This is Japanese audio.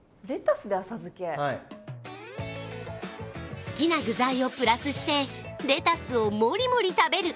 好きな具材をプラスしてレタスをモリモリ食べる！